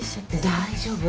大丈夫？